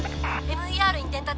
ＭＥＲに伝達